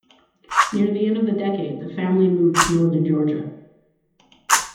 Near the end of the decade, the family moved to northern Georgia.